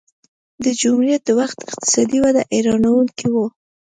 د جمهوریت د وخت اقتصادي وده حیرانوونکې وه.